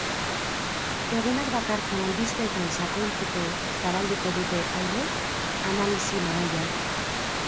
Egunak dakartzan albisteetan sakontzeko zabalduko dute, aurrez, analisi mahaia.